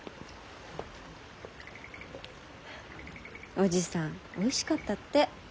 おじさんおいしかったって。